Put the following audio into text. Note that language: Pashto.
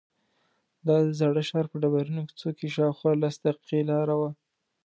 دا د زاړه ښار په ډبرینو کوڅو کې شاوخوا لس دقیقې لاره وه.